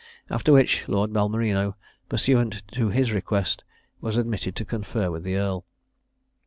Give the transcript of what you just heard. After which, Lord Balmerino, pursuant to his request, was admitted to confer with the earl.